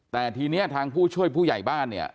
แต่ทีนี้ทางผู้ช่วยผู้ใหญ่บ้านเนี่ย